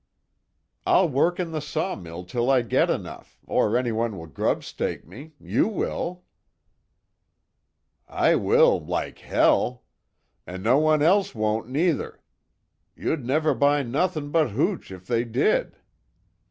"I'll work in the sawmill till I get enough, or anyone will grub stake me you will." "I will like hell! An' no one else won't, neither. You'd never buy nothin' but hooch if they did."